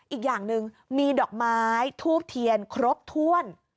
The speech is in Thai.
อีกอย่างหนึ่งมีดอกไม้ทูบเทียนครบถ้วน